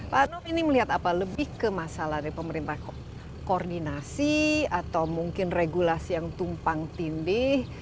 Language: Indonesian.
pak anung ini melihat apa lebih ke masalah dari pemerintah koordinasi atau mungkin regulasi yang tumpang tindih